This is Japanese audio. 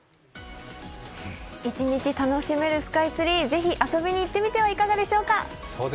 一日楽しめるスカイツリー遊びに行ってはいかがでしょうか。